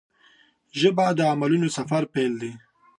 ژبه د علمي سفر پیل دی